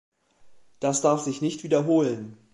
Das darf sich nicht wiederholen!